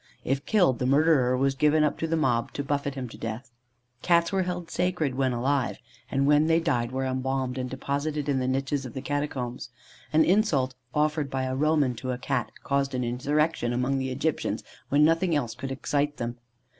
If killed, the murderer was given up to the mob to buffet him to death. Cats were held sacred when alive, and when they died were embalmed and deposited in the niches of the catacombs. An insult offered by a Roman to a Cat caused an insurrection among the Egyptians when nothing else could excite them.